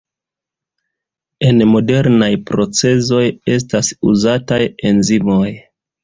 En modernaj procezoj estas uzataj enzimoj.